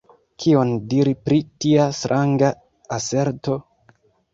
Kion diri pri tia stranga aserto?